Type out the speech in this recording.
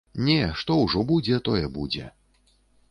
Не, што ўжо будзе, тое будзе.